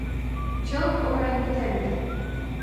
Чылт орен пытен вет!..